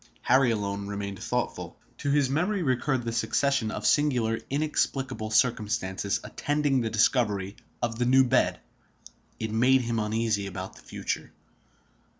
Harry alone remained thoughtful. To his memory recurred the succession of singular, inexplicable circumstances attending the discovery of the new bed. It made him uneasy about the future.